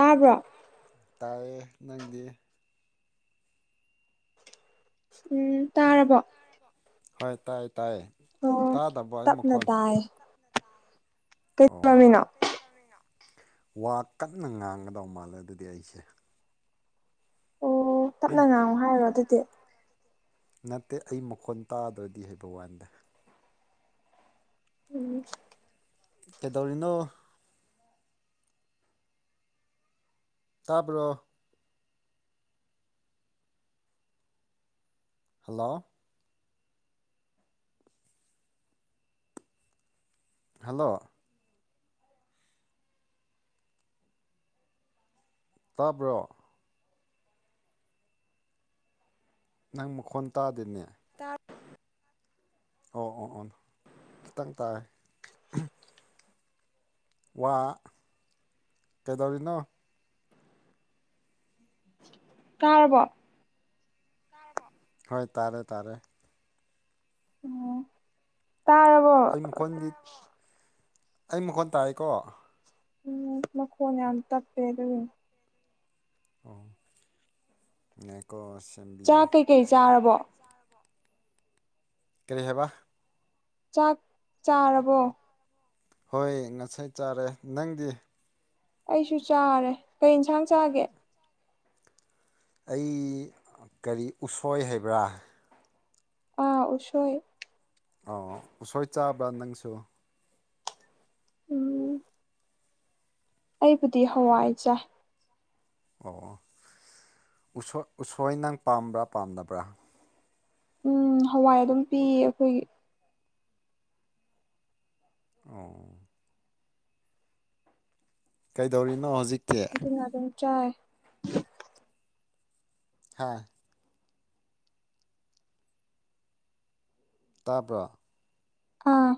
ꯑꯥꯕ꯭ꯔꯣ ꯇꯥꯏꯌꯦ ꯅꯪꯗꯤ ꯎꯝ ꯇꯥꯔꯕꯣ ꯍꯣꯏ ꯇꯥꯏ ꯇꯥꯏ ꯇꯥꯗꯕꯣ ꯑꯩ ꯃꯈꯣꯜ ꯑꯣ ꯀꯩꯗꯧꯃꯤꯅꯣ ꯋꯥ ꯀꯟꯅ ꯉꯥꯡꯒꯗꯧ ꯃꯥꯜꯂꯦ ꯑꯗꯨꯗꯤ ꯑꯩꯁꯦ ꯑꯣ ꯇꯞꯅ ꯉꯥꯡꯉꯨ ꯍꯥꯏꯔꯣ ꯑꯗꯨꯗꯤ ꯅꯠꯇꯦ ꯑꯩ ꯃꯈꯣꯟ ꯇꯥꯗ꯭ꯔꯗꯤ ꯍꯥꯏꯕ ꯋꯥꯟꯗ ꯎꯝ ꯀꯩꯗꯧꯔꯤꯅꯣ ꯇꯥꯕ꯭ꯔꯣ ꯍꯜꯂꯣ ꯍꯜꯂꯣ ꯇꯥꯕ꯭ꯔꯣ ꯅꯪ ꯃꯈꯣꯟ ꯇꯥꯗꯦꯅꯦ ꯇꯥ ꯑꯣ ꯍꯣ ꯍꯣꯟ ꯈꯤꯇꯪ ꯇꯥꯏ ꯋꯥ ꯀꯩꯗꯧꯔꯤꯅꯣ ꯇꯥꯔꯕꯣ ꯍꯣꯏ ꯇꯥꯔꯦ ꯇꯥꯔꯦ ꯇꯥꯔ ꯑꯩ ꯃꯈꯣꯟꯗꯤ ꯑꯩ ꯃꯈꯣꯟ ꯇꯥꯏꯌꯦꯀꯣ ꯎꯝ ꯃꯈꯣꯟ ꯌꯥꯝ ꯇꯞꯄꯦ ꯑꯗꯨꯒꯤꯅꯤ ꯑꯣ ꯌꯥꯏꯀꯣ ꯑ ꯁꯦꯝꯕꯤꯒꯦ ꯀꯩ ꯆꯥꯔꯕꯣ ꯀꯔꯤ ꯍꯥꯏꯕ ꯆꯥꯛ ꯆꯥꯔꯕꯣ ꯍꯣꯏ ꯉꯁꯥꯏ ꯆꯥꯔꯦ ꯅꯪꯗꯤ ꯑꯩꯁꯨ ꯆꯥꯔꯦ ꯀꯩ ꯏꯟꯁꯥꯡ ꯆꯥꯒꯦ ꯑꯩ ꯀꯔꯤ ꯎꯁꯣꯏ ꯍꯥꯏꯕ꯭ꯔꯥ ꯑꯥ ꯎꯁꯣꯏ ꯑꯧ ꯎꯁꯣꯏ ꯆꯥꯕ꯭ꯔꯥ ꯅꯪꯁꯨ ꯎꯝ ꯑꯩꯕꯨꯗꯤ ꯍꯋꯥꯏ ꯆꯥꯏ ꯑꯣ ꯑꯣ ꯎꯁꯣ-ꯎꯁꯣꯏ ꯅꯪ ꯄꯥꯝꯕ꯭ꯔꯥ ꯄꯥꯝꯗꯕ꯭ꯔꯥ ꯎꯝ ꯍꯋꯥꯏ ꯑꯗꯨꯝ ꯄꯤꯌꯦ ꯑꯈꯣꯏꯒꯤ ꯑꯧꯋꯣ ꯀꯩꯗꯧꯔꯤꯅꯣ ꯍꯧꯖꯤꯛ ꯑꯗꯨꯅ ꯑꯗꯨꯝ ꯆꯥꯏ ꯍꯥ ꯇꯥꯕ꯭ꯔꯥ ꯑꯥ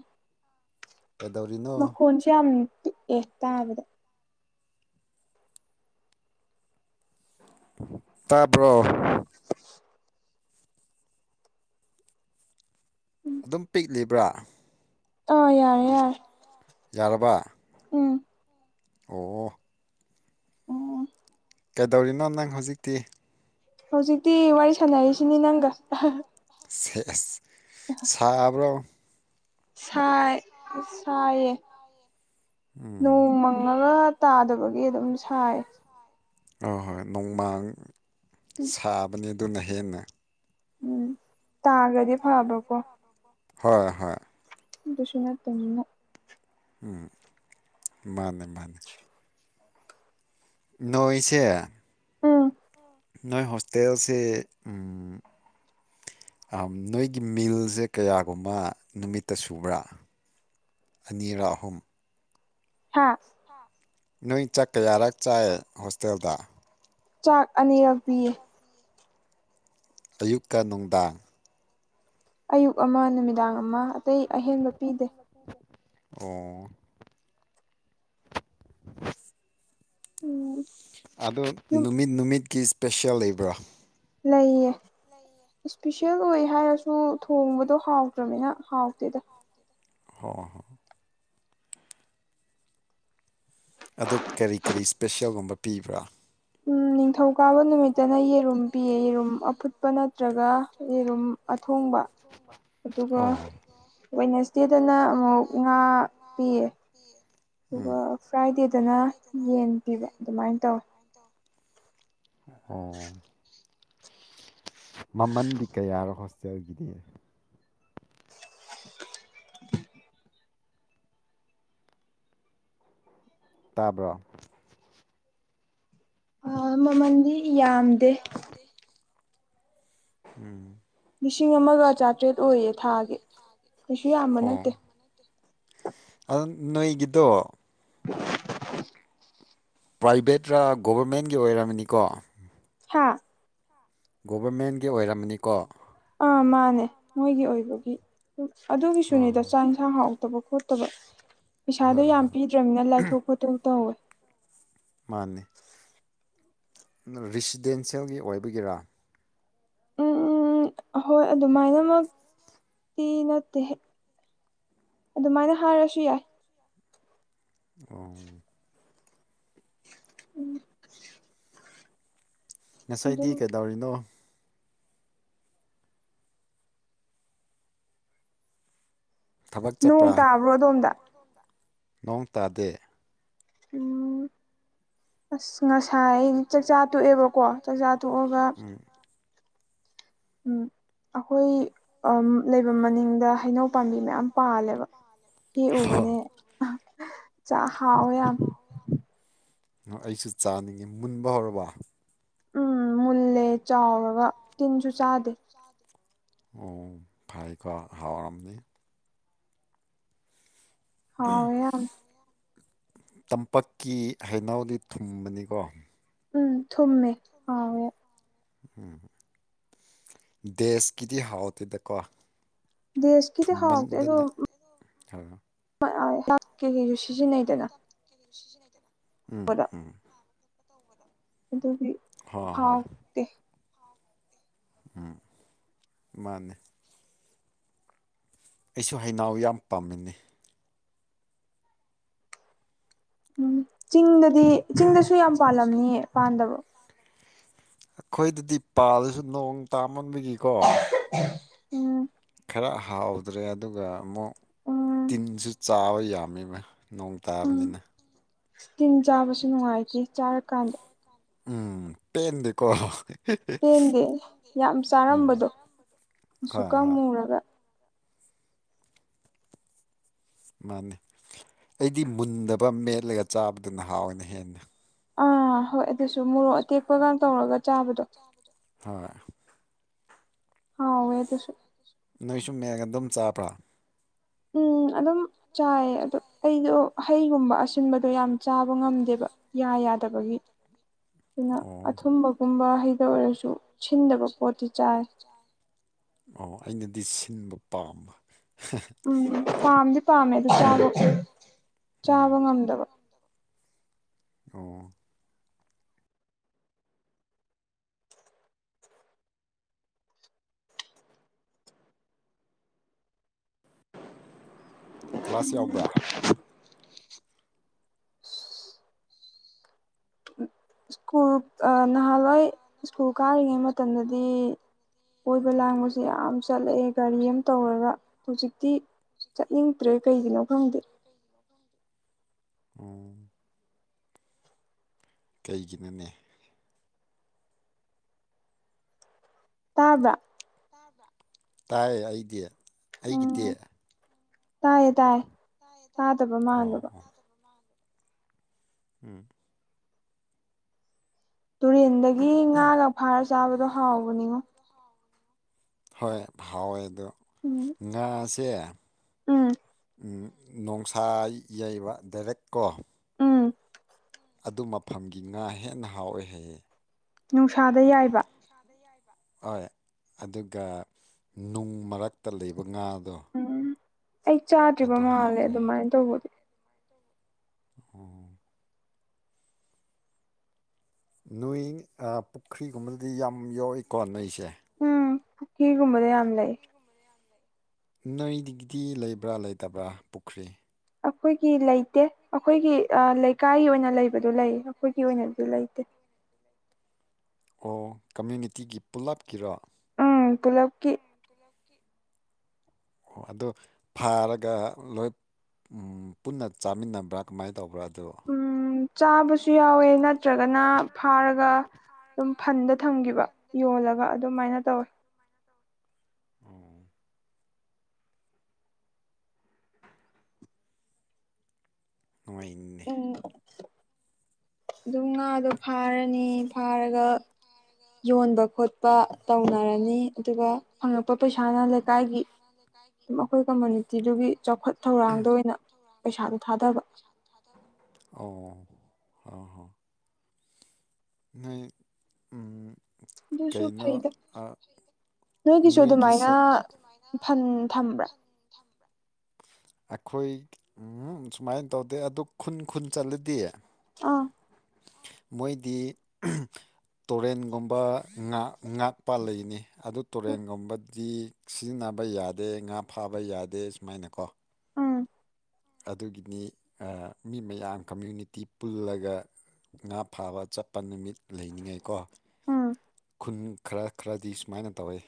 ꯀꯗꯧꯔꯤꯅ ꯃꯈꯣꯟꯁꯦ ꯌꯥꯝ ꯄꯤꯛꯑꯦ ꯇꯥꯕꯗ ꯇꯥꯕ꯭ꯔꯣ ꯎꯝ ꯑꯗꯨꯝ ꯄꯤꯛꯂꯤꯕ꯭ꯔꯥ ꯑꯥ ꯌꯥꯔꯦ ꯌꯥꯔꯦ ꯌꯥꯔꯕ ꯎꯝ ꯑꯣ ꯎꯝ ꯀꯩꯗꯧꯔꯤꯅꯣ ꯅꯪ ꯍꯧꯖꯤꯛꯇꯤ ꯍꯧꯖꯤꯛꯇꯤ ꯋꯥꯔꯤ ꯁꯥꯟꯅꯔꯤꯁꯤꯅꯤ ꯅꯪꯒ ꯁꯦꯁ ꯁꯥꯕ꯭ꯔꯣ ꯁꯥꯏ ꯁꯥꯏꯌꯦ ꯎꯝ ꯅꯣꯡ ꯃꯪꯉꯒꯥ ꯇꯥꯗꯕꯒꯤ ꯑꯗꯨꯝ ꯁꯥꯏ ꯍꯣꯏ ꯍꯣꯏ ꯅꯣꯡꯃꯥꯡ ꯁꯥꯕꯅꯤ ꯑꯗꯨꯅ ꯍꯦꯟꯅ ꯎꯝ ꯇꯥꯒꯔ ꯍꯣꯏ ꯍꯣꯏ ꯑꯗꯨꯁꯨ ꯅꯠꯇꯕꯅꯤꯅ ꯎꯝ ꯃꯥꯅꯦ ꯃꯥꯅꯦ ꯅꯣꯏꯁꯦ ꯎꯝ ꯅꯣꯏ ꯍꯣꯁꯇꯦꯜꯁꯤ ꯎꯝ ꯑꯥ ꯅꯣꯏꯒꯤ ꯃꯤꯜꯖꯦ ꯀꯌꯥꯒꯨꯝꯕ ꯅꯨꯃꯤꯠꯇ ꯁꯨꯕ꯭ꯔꯥ ꯑꯅꯤꯔ ꯑꯍꯨꯝ ꯍꯥꯥ ꯅꯣꯏ ꯆꯥꯛ ꯀꯌꯥꯔꯛ ꯆꯥꯏ ꯍꯣꯁꯇꯦꯜꯗ ꯆꯥꯛ ꯑꯅꯤꯔꯛ ꯄꯤꯌꯦ ꯑꯌꯨꯛꯀ ꯅꯨꯡꯗꯥꯡ ꯑꯌꯨꯛ ꯑꯃ ꯅꯨꯃꯤꯗꯥꯡ ꯑꯃ ꯑꯇꯩ ꯑꯍꯦꯟꯕ ꯄꯤꯗꯦ ꯑꯣ ꯎꯝ ꯑꯗꯣ ꯌꯨꯝ ꯅꯨꯃꯤꯠ ꯅꯨꯃꯤꯠꯀꯤ ꯏꯁꯄꯤꯁꯤꯑꯦꯜ ꯂꯩꯕ꯭ꯔꯥ ꯂꯩꯌꯦ ꯏꯁꯄꯤꯁꯦꯜ ꯑꯣꯏ ꯍꯥꯏꯔꯁꯨ ꯊꯣꯡꯕꯗꯣ ꯍꯥꯎꯇꯔꯃꯤꯅ ꯍꯥꯎꯇꯦꯗ ꯍꯣꯏ ꯍꯣꯏ ꯑꯗꯨ ꯀꯔꯤ ꯀꯔꯤ ꯏꯁꯄꯦꯁꯤꯑꯦꯜꯒꯨꯝꯕ ꯄꯤꯕ꯭ꯔꯥ ꯎꯝ ꯅꯤꯡꯊꯧꯀꯥꯕ ꯅꯨꯃꯤꯠꯇꯅ ꯌꯦꯔꯨꯝ ꯄꯤꯌꯦ ꯌꯦꯔꯨꯝ ꯑꯐꯨꯠꯄ ꯅꯠꯇ꯭ꯔꯒ ꯌꯦꯔꯨꯝ ꯑꯊꯣꯡꯕ ꯑꯗꯨꯒ ꯑꯣ ꯋꯦꯅꯦꯁꯗꯦꯗꯅ ꯑꯃꯨꯛ ꯉꯥ ꯄꯤꯌꯦ ꯎꯝ ꯑꯗꯨꯒ ꯐ꯭ꯔꯥꯏꯗꯦꯗꯅ ꯌꯦꯟ ꯄꯤꯕ ꯑꯗꯨꯃꯥꯏꯅ ꯇꯧꯋꯦ ꯑꯣ ꯃꯃꯟꯗꯤ ꯀꯌꯥꯔꯣ ꯍꯣꯁꯇꯦꯜꯒꯤꯗꯤ ꯇꯥꯕ꯭ꯔꯣ ꯃꯃꯜꯗꯤ ꯌꯥꯝꯗꯦ ꯎꯝ ꯂꯤꯁꯤꯡ ꯑꯃꯒ ꯆꯥꯇ꯭ꯔꯦꯠ ꯑꯣꯏꯌꯦ ꯊꯥꯒꯤ ꯀꯩꯁꯨ ꯌꯥꯝꯕ ꯅꯠꯇꯦ ꯑꯗꯨꯝ ꯅꯣꯏꯒꯤꯗꯣ [unintelligible] ꯄ꯭ꯔꯥꯏꯕꯦꯠꯔꯥ ꯒꯣꯕꯔꯃꯦꯟꯒꯤ ꯑꯣꯏꯔꯝꯅꯤꯀꯣ ꯍꯥꯥ ꯒꯣꯕꯔꯃꯦꯟꯒꯤ ꯑꯣꯏꯔꯝꯃꯅꯤꯀꯣ ꯑꯥ ꯃꯥꯅꯦ ꯃꯣꯏꯒꯤ ꯑꯣꯏꯕꯒꯤ ꯑꯣ ꯑꯗꯨꯒꯤꯁꯨꯅꯦꯗ ꯆꯥꯛ ꯌꯦꯟꯁꯥꯡ ꯍꯥꯎ ꯇꯕ ꯈꯣꯠꯇꯕ ꯄꯩꯁꯥꯗꯣ ꯍꯣꯏ ꯌꯥꯝ ꯍꯣꯏ ꯄꯤꯗ꯭ꯔꯅꯤꯅ ꯂꯥꯏꯊꯣꯛ ꯈꯣꯠꯇꯣꯛ ꯇꯧꯋꯦ ꯃꯥꯅꯦ ꯔꯤꯁꯤꯗꯦꯟꯁꯤꯌꯦꯜꯒꯤ ꯑꯣꯏꯕꯒꯤꯔꯥ ꯎꯝ ꯎꯝ ꯎꯝ ꯍꯣꯏ ꯑꯗꯨꯃꯥꯏꯅ ꯃꯛꯇꯤ ꯅꯠꯇꯦꯍꯦ ꯑꯗꯨꯃꯥꯏꯅ ꯍꯥꯏꯔꯁꯨ ꯌꯥꯏ ꯑꯣ ꯎꯝ ꯉꯁꯥꯏꯗꯤ ꯑꯗꯨꯝ ꯀꯩꯗꯧꯔꯤꯅꯣ ꯊꯕꯛ ꯆꯠꯄ꯭ꯔꯥ ꯇꯥꯕ꯭ꯔꯣ ꯅꯣꯡ ꯑꯗꯣꯝꯗ ꯇꯥꯕꯔꯣ ꯑꯗꯣꯝꯗ ꯅꯣꯡ ꯇꯥꯗꯦ ꯎꯨ ꯑꯁ ꯉꯁꯥꯏ ꯆꯥꯛꯆꯥ ꯇꯣꯛꯑꯦꯕꯀꯣ ꯆꯥꯛꯆꯥ ꯇꯣꯛꯑꯒ ꯎꯝ ꯎꯝ ꯑꯩꯈꯣꯏ ꯑꯝ ꯂꯩꯕ ꯃꯅꯤꯡꯗ ꯍꯩꯅꯧ ꯄꯥꯝꯕꯤ ꯃꯌꯥꯝ ꯄꯥꯜꯂꯦꯕ ꯍꯦꯛꯎꯕꯅꯦ ꯆ ꯍꯥꯎꯋꯦ ꯌꯥꯝ ꯑꯩꯁꯨ ꯆꯥꯅꯤꯡꯉꯤ ꯃꯨꯟꯕ ꯍꯧꯔꯕ ꯎꯝ ꯃꯨꯜꯂꯦ ꯆꯥꯎꯔꯒ ꯇꯤꯟꯁꯨ ꯆꯥꯗꯦ ꯆꯗꯦ ꯎ ꯐꯩꯀꯣ ꯍꯥꯎꯔꯝꯅꯤ ꯍꯥꯎꯋꯦ ꯌꯥꯝ ꯇꯝꯄꯛꯀꯤ ꯍꯩꯩꯅꯧꯗꯤ ꯊꯨꯝꯕꯅꯤꯀꯣ ꯎꯝ ꯊꯨꯝꯃꯦ ꯍꯥꯑꯣꯏ ꯎꯝ ꯗꯦꯁꯀꯤꯗꯤ ꯍꯥꯎꯇꯦꯗꯀꯣ ꯗꯦꯖꯀꯤꯗꯤ ꯍꯥꯎꯇꯗꯣ ꯊꯨꯝꯃꯟꯗꯅ ꯍꯣꯏ ꯑꯗꯣ ꯍ ꯀꯦ [unintelligible] ꯀꯁꯨ ꯁꯤꯖꯤꯟꯅꯩꯗꯅ ꯎꯝ ꯄꯣꯠꯇ ꯎꯝ ꯑꯗꯨꯒꯤ ꯍꯣ ꯍꯣ ꯍꯥꯎꯠ ꯇꯦ ꯎꯝ ꯃꯥꯅꯦ ꯑꯩꯁꯨ ꯍꯩꯩꯅꯎ ꯌꯥꯝ ꯄꯥꯝꯃꯤꯟꯅꯦ ꯎꯝ ꯆꯤꯡꯗꯗꯤ ꯆꯤꯡꯗꯁꯨ ꯌꯥꯝ ꯄꯥꯜꯂꯝꯅꯤ ꯄꯥꯟꯗꯕ꯭ꯔꯣ ꯑꯩꯈꯣꯏꯗꯗꯤ ꯄꯥꯜꯂꯁꯨ ꯅꯣꯡ ꯇꯥꯃꯟꯕꯒꯤꯀꯣ ꯎꯝ ꯈꯔ ꯍꯥꯎꯗ꯭ꯔꯦ ꯑꯗꯨꯒ ꯑꯃꯨꯛ ꯎꯝ ꯇꯤꯟꯁꯨ ꯆꯥꯕ ꯌꯥꯝꯃꯤꯕ ꯅꯣꯡ ꯎꯝ ꯇꯥꯕꯅꯤꯅ ꯇꯤꯟ ꯆꯥꯕꯁꯨ ꯅꯨꯡꯉꯥꯏꯇꯦ ꯆꯥꯔꯀꯥꯟꯗ ꯎꯝ ꯄꯦꯟꯗꯦꯀꯣ ꯄꯦꯟꯗꯦ ꯌꯥꯝ ꯆꯥꯔꯝꯕꯗꯣ ꯃꯨꯁꯨꯛ ꯍꯣꯏ ꯀ ꯍꯣꯏ ꯃꯨꯔꯒ ꯃꯥꯅꯤ ꯑꯩꯗꯤ ꯃꯨꯟꯗꯕ ꯃꯦꯠꯂꯒ ꯆꯥꯕꯗꯨꯅ ꯍꯥꯑꯣꯏ ꯍꯥꯎꯋꯦꯅ ꯍꯦꯟꯅ ꯑꯥ ꯍꯣꯏ ꯑꯗꯨꯁꯨ ꯃꯣꯔꯣꯛ ꯑꯇꯦꯛꯄꯒ ꯇꯧꯔꯒ ꯆꯥꯕꯗꯣ ꯍꯣꯏ ꯍꯥꯎꯏ ꯑꯗꯨꯁꯨ ꯅꯣꯏꯁꯨ ꯃꯦꯜ ꯒꯗꯝ ꯆꯥꯕꯔꯥ ꯎꯝ ꯑꯗꯨꯝ ꯆꯥꯏꯌꯦ ꯑꯗꯣ ꯑꯩꯗꯣ ꯍꯩꯒꯨꯝꯕ ꯑꯁꯤꯟꯕꯗꯣ ꯌꯥꯝ ꯆꯥꯕ ꯉꯝꯗꯦꯕ ꯌꯥ ꯌꯥꯗꯕꯒꯤ ꯅ ꯑꯣ ꯑꯊꯨꯝꯕꯒꯨꯝꯕ ꯍꯩꯗ ꯑꯣꯏꯔꯁꯨ ꯁꯤꯟꯗꯕ ꯄꯣꯠꯇꯤ ꯆꯥꯏ ꯑꯣ ꯑꯩꯅꯗꯤ ꯁꯤꯟꯕ ꯄꯥꯝꯕ ꯎꯝ ꯄꯥꯝꯗꯤ ꯄꯥꯝꯃꯦ ꯑꯗꯨ ꯆꯥꯕꯛꯁꯦ ꯎꯝ ꯆꯥꯕ ꯉꯝꯗꯕ ꯑꯣ ꯀ꯭ꯂꯥꯁ ꯌꯥꯎꯕ꯭ꯔꯥ [unintelligible] ꯁ꯭ꯀꯨꯜ ꯑ ꯅꯍꯥꯜꯋꯥꯏ ꯁ꯭ꯀꯨꯜ ꯀꯥꯔꯤꯉꯩ ꯃꯇꯝꯗꯗꯤ ꯀꯣꯏꯕ ꯂꯥꯡꯕꯁꯦ ꯌꯥꯝ ꯆꯠꯂꯛꯑꯦ ꯒꯥꯔꯤ ꯑꯝ ꯇꯧꯔꯒ ꯍꯧꯖꯤꯛꯇꯤ ꯆꯠꯅꯤꯡꯇ꯭ꯔꯦ ꯀꯩꯒꯤꯅꯣ ꯈꯪꯗꯦ ꯎꯝ ꯀꯩꯒꯤꯅꯣꯅꯦ ꯇꯥꯕ꯭ꯔꯥ ꯇꯥꯏꯌꯦ ꯑꯩꯗꯤ ꯑꯩꯒꯤꯗꯤ ꯎꯝ ꯇꯥꯏꯌꯦ ꯇꯥꯏ ꯇꯥꯗꯕ ꯑꯣ ꯃꯥꯜꯂꯨꯕ ꯑꯣ ꯎꯝ ꯇꯨꯔꯦꯟꯗꯒꯤ ꯉꯥꯒ ꯐꯥꯔ ꯆꯥꯕꯗꯣ ꯍꯥꯎꯕꯅꯤꯉꯣ ꯍꯣꯏ ꯍꯥꯎꯋꯦ ꯑꯗꯣ ꯎꯝ ꯉꯥꯁꯦ ꯎꯝ ꯅꯣꯡꯁꯥ ꯌꯩꯕ ꯗꯥꯏꯔꯦꯛ ꯀꯣ ꯎꯝ ꯑꯗꯨ ꯃꯐꯝꯒꯤ ꯉꯥ ꯍꯦꯟꯅ ꯍꯥꯎꯋꯦ ꯍꯥꯏꯌꯦ ꯅꯨꯡꯁꯥꯗ ꯌꯥꯏꯕ ꯍꯣꯏ ꯑꯗꯨꯒ ꯅꯨꯡ ꯃꯔꯛꯇ ꯂꯩꯕ ꯉꯥꯗꯣ ꯎꯝ ꯑꯩ ꯆꯥꯗ꯭ꯔꯤꯕ ꯑꯗꯨ ꯃꯥꯜꯂꯦ ꯍꯥꯎꯋꯦ ꯍꯥꯏ꯫ ꯑꯗꯨꯃꯥꯏꯟ ꯇꯧꯕꯗꯤ ꯑꯣ ꯅꯣꯏ ꯑ ꯄꯨꯈ꯭ꯔꯤꯒꯨꯝꯕꯗꯤ ꯌꯥꯝ ꯌꯣꯛꯏꯀꯣ ꯅꯣꯏꯁꯦ ꯎꯝ ꯄꯨꯈꯤꯒꯨꯝꯕꯗ ꯌꯥꯝ ꯂꯩ ꯅꯣꯏꯗꯒꯤꯗꯤ ꯂꯩꯕ꯭ꯔꯥ ꯂꯩꯇꯕ꯭ꯔꯥ ꯄꯨꯈ꯭ꯔꯤ ꯑꯈꯣꯏꯒꯤ ꯂꯩꯇꯦ ꯑꯈꯣꯏꯒꯤ ꯑ ꯂꯩꯀꯥꯏꯒꯤ ꯑꯣꯏꯅ ꯂꯩꯕꯗꯣ ꯂꯩꯌꯦ ꯑꯩꯈꯣꯏꯒꯤ ꯑꯣꯏꯅ ꯗꯤ ꯂꯩꯥꯇꯦ ꯑꯣ ꯀꯝꯃ꯭ꯌꯨꯅꯤꯇꯤꯒꯤ ꯄꯨꯜꯂꯞꯀꯤꯔꯣ ꯎꯝ ꯄꯨꯜꯂꯞꯀꯤ ꯂꯞꯀꯤ ꯑꯣ ꯑꯗꯨ ꯐꯥꯔꯒ ꯂꯣꯏ ꯎꯝ ꯄꯨꯟꯅ ꯆꯥꯃꯤꯟꯅꯕ꯭ꯔꯥ ꯀꯃꯥꯏ ꯇꯧꯕ꯭ꯔꯥ ꯑꯗꯨ ꯎꯝ ꯆꯥꯕꯁꯨ ꯌꯥꯎꯋꯦ ꯅꯠꯇ꯭ꯔꯒꯅ ꯐꯥꯔꯒ ꯑꯗꯨꯝ ꯐꯟꯗ ꯊꯝꯒꯤꯕ ꯌꯣꯜꯂꯒ ꯑꯗꯨꯃꯥꯏꯅ ꯇꯧꯋꯦ ꯑꯣ ꯅꯨꯡꯉꯥꯏꯟ ꯎꯝ ꯑꯗꯨꯝ ꯉꯥꯗꯣ ꯐꯥꯔꯅꯤ ꯐꯥꯔꯒ ꯌꯣꯟꯕ ꯈꯣꯠ ꯄ ꯇꯧꯅꯔꯅꯤ ꯑꯗꯨꯒ ꯐꯪꯉꯛꯄ ꯄꯩꯁꯥꯅ ꯂꯩꯀꯥꯏꯒꯤ ꯗꯨꯝ ꯑꯩꯈꯣꯏ ꯀꯝꯃꯨꯅꯤꯇꯤꯗꯨꯒꯤ ꯆꯥꯎꯈꯠ ꯊꯧꯔꯥꯡꯗ ꯑꯣꯏꯅ ꯄꯩꯁꯥꯗꯨ ꯊꯥꯗꯕ ꯑꯣ ꯍꯥ ꯍꯥ ꯅꯣꯏ ꯎꯝ ꯑꯗꯨꯁꯨ ꯀꯩꯅꯣ ꯐꯩꯗ ꯑꯥ ꯅꯣꯏꯒꯤꯁꯨ ꯑꯗꯨꯃꯥꯏꯅ ꯐꯟ ꯊꯝꯕ꯭ꯔꯥ ꯑꯩꯈꯣꯏ ꯎꯝ ꯁꯨꯃꯥꯏꯟ ꯇꯧꯗꯦ ꯑꯗꯨ ꯈꯨꯟ ꯈꯨꯟ ꯆꯠꯂꯗꯤ ꯑꯥ ꯃꯣꯏꯗꯤ ꯇꯣꯔꯦꯟꯒꯨꯝꯕ ꯉꯥ ꯉꯥꯛꯄ ꯂꯩꯅꯦ ꯑꯗꯨ ꯇꯣꯔꯦꯟꯒꯨꯝꯕ ꯗꯤ ꯁꯤꯖꯤꯟꯅꯕ ꯌꯥꯗꯦ ꯉꯥ ꯐꯥꯕ ꯌꯥꯗꯦ ꯁꯨꯃꯥꯏꯅ ꯀꯣ ꯎꯝ ꯑꯗꯨꯒꯤꯅꯤ ꯑꯥ ꯃꯤ ꯃꯌꯥꯝ ꯀꯝꯃ꯭ꯌꯨꯅꯤꯇꯤ ꯄꯨꯜꯂꯒ ꯉꯥ ꯐꯥꯕ ꯆꯠꯄ ꯅꯨꯃꯤꯠ ꯂꯩꯅꯤꯡꯉꯥꯏꯀꯣ ꯎꯝ ꯎꯝ ꯈꯔ ꯈꯔꯗꯤ ꯁꯨꯃꯥꯏꯅ ꯇꯧꯋꯦ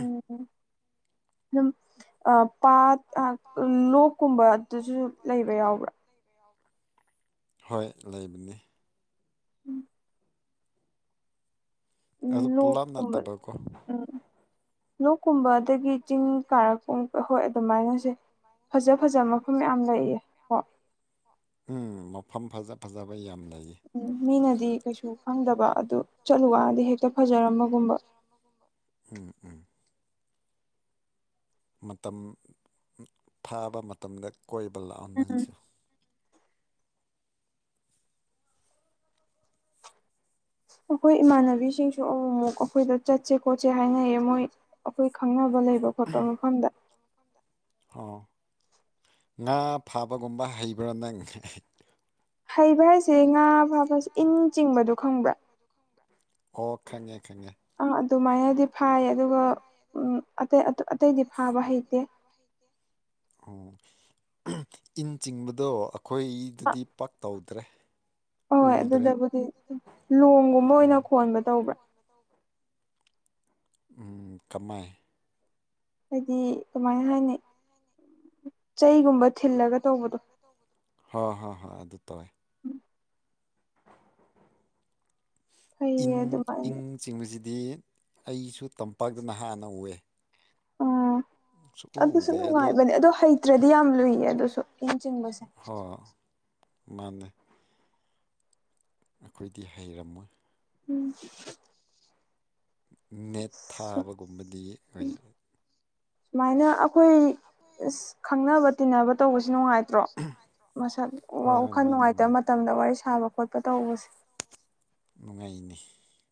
ꯎꯝ ꯂꯨꯝ ꯑꯥ ꯄꯥꯠ ꯑꯥ ꯂꯣꯛ ꯀꯨꯝꯕ ꯗꯨꯁꯨ ꯂꯩꯕ ꯌꯥꯎꯕ꯭ꯔꯥ ꯍꯣꯏ ꯂꯩꯕꯅꯦ ꯎꯝ ꯎꯝ ꯑꯗꯨ ꯂꯣꯛ ꯄꯨꯂꯞ ꯀꯨꯝꯕ ꯅꯠꯇꯕꯀꯣ ꯎꯝ ꯂꯣꯛꯀꯨꯝꯕ ꯑꯗꯒꯤ ꯆꯤꯡ ꯀꯥꯔꯛꯀꯨꯝ ꯍꯣꯏ ꯑꯗꯨꯃꯥꯏꯅꯁꯦ ꯐꯖ ꯐꯖꯕ ꯃꯐꯝ ꯌꯥꯝ ꯂꯩꯌꯦ ꯀꯣ ꯎꯝ ꯃꯐꯝ ꯐꯖ ꯐꯖꯕ ꯌꯥꯝ ꯂꯩꯌꯦ ꯎꯝ ꯃꯤꯅꯗꯤ ꯀꯩꯁꯨ ꯈꯪꯗꯕ ꯑꯗꯨ ꯆꯠꯂꯨ ꯆꯠꯂꯨ ꯋꯥꯗꯤ ꯍꯦꯛꯇ ꯐꯖꯔꯝꯕꯒꯨꯝꯕ ꯎꯝ ꯎꯝ ꯃꯇꯝ ꯐꯥꯕ ꯃꯇꯝꯗ ꯀꯣꯏꯕ ꯂꯥꯛꯑꯣ ꯎꯝ ꯅꯪꯁꯨ ꯑꯩꯈꯣꯏ ꯏꯃꯥꯟꯅꯕꯤꯁꯤꯡꯁꯨ ꯑꯃꯨ ꯑꯃꯨꯛ ꯑꯩꯈꯣꯏꯗ ꯆꯠꯁꯦ ꯈꯣꯠꯁꯦ ꯍꯥꯏꯅꯩꯌꯦ ꯃꯣꯏ ꯑꯩꯈꯣꯏ ꯈꯪꯅꯕ ꯂꯩꯕ ꯈꯣꯠꯄ ꯃꯐꯝꯗ ꯑꯣ ꯉꯥ ꯐꯥꯕꯒꯨꯝꯕ ꯍꯩꯕ꯭ꯔꯥ ꯅꯪ ꯍꯩꯕ ꯍꯥꯏꯁꯦ ꯉꯥ ꯐꯥꯕꯁ ꯏꯟ ꯆꯤꯡꯕꯗꯣ ꯈꯪꯕ꯭ꯔꯥ ꯑꯣ ꯈꯪꯉꯦ ꯈꯪꯉꯦ ꯑꯥ ꯑꯗꯨꯃꯥꯏꯅꯗꯤ ꯐꯥꯏ ꯑꯗꯨꯒ ꯑꯇꯩ ꯑꯇꯩꯗꯤ ꯐꯥꯕ ꯍꯩꯇꯦ ꯑꯣ ꯏꯟ ꯆꯤꯡꯕꯗꯣ ꯑꯩꯈꯣꯏꯗꯗꯤ ꯄꯛ ꯇꯧꯗ꯭ꯔꯦ ꯍꯣꯏ ꯎꯗ꯭ꯔꯦ ꯑꯗꯨꯗꯕꯨꯗꯤ ꯂꯣꯡꯒꯨꯝꯕ ꯑꯣꯏꯅ ꯈꯣꯟꯕ ꯇꯧꯕ꯭ꯔꯥ ꯎꯝ ꯀꯃꯥꯏ ꯍꯥꯏꯗꯤ ꯀꯃꯥꯏꯅ ꯍꯥꯏꯅꯤ ꯆꯩꯒꯨꯝꯕ ꯊꯤꯜꯂꯒ ꯇꯧꯕꯗꯣ ꯍꯣꯏ ꯍꯣꯏ ꯍꯣꯏ ꯑꯗꯨ ꯇꯧꯋꯦ ꯎꯝ ꯏꯟ ꯐꯩꯌꯦ ꯏꯪ ꯑꯗꯨꯃꯥꯏꯅ ꯆꯤꯡꯕꯁꯤꯗꯤ ꯑꯩꯁꯨ ꯇꯝꯄꯥꯛꯇꯅ ꯅꯍꯥꯟꯅ ꯎꯏꯑ ꯎꯝ ꯑꯗꯨꯁꯨ ꯎꯗꯦ ꯅꯨꯡꯉꯥꯏꯕꯅꯦ ꯑꯗꯨꯁꯨ ꯑꯗꯣ ꯍꯩꯇ꯭ꯔꯗꯤ ꯌꯥꯝ ꯂꯨꯏꯌꯦ ꯑꯗꯨꯁꯨ ꯏꯟ ꯆꯤꯡꯕꯁꯦ ꯍꯣꯏ ꯃꯥꯅꯦ ꯑꯩꯈꯣꯏꯗꯤ ꯍꯩꯔꯝꯃꯣꯏ ꯎꯝ ꯅꯦꯠ ꯊꯥꯕꯒꯨꯝꯕꯗꯤ ꯑꯩꯏ ꯨꯃꯥꯏꯅ ꯁꯨꯃꯥꯏꯅ ꯑꯩꯈꯣꯏ ꯑꯁ ꯇꯤꯟꯅꯕ ꯈꯪꯅꯕ ꯇꯧꯕꯁꯤ ꯇꯤꯟꯅꯕ ꯅꯨꯡꯉꯥꯏꯇ꯭ꯔꯣ ꯇꯧꯕꯁꯤꯥꯏ ꯃꯁꯛ ꯋꯥꯈꯜ ꯅꯨꯡꯉꯥꯏꯇꯕ ꯃꯇꯝꯗ ꯋꯥꯔꯤ ꯁꯥꯕ ꯈꯣꯠꯄ ꯇꯧꯕꯁꯦ ꯅꯨꯡꯉꯥꯏꯅꯤ